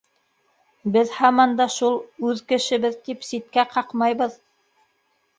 Беҙ һаман да шул, үҙ кешебеҙ тип, ситкә ҡаҡмайбыҙ.